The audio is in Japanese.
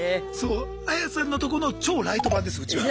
アヤさんのとこの超ライト版ですうちは。